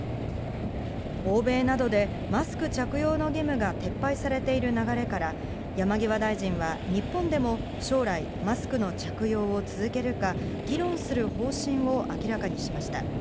欧米などでマスク着用の義務が撤廃されている流れから、山際大臣は、日本でも将来、マスクの着用を続けるか、議論する方針を明らかにしました。